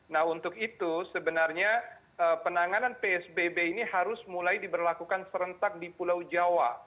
nah untuk itu sebenarnya penanganan psbb ini harus mulai diberlakukan serentak di pulau jawa